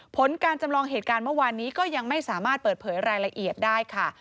ผลการจำลองเหตุการณ์เมื่อวานนี้ก็ยังไม่สามารถเปิดเผยรายละเอียดได้ค่ะ